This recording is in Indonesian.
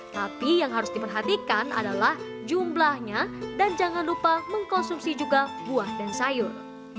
tapi yang harus diperhatikan adalah jumlahnya dan jangan lupa mengkonsumsi juga buah dan sayur